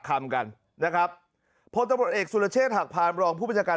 คำกันนะครับผู้ตัวบทเอกสุรเชษฐหักพารบรองผู้บริจาการ